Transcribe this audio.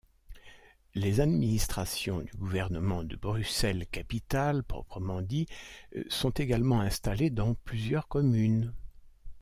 Les administrations du gouvernement de Bruxelles-Capitale proprement dit sont également installées dans plusieurs communes.